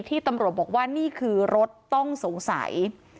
ตำรวจบอกว่านี่คือรถต้องสงสัย